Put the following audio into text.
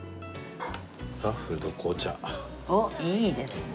おっいいですね。